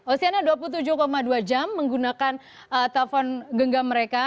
oceana dua puluh tujuh dua jam menggunakan telepon genggam mereka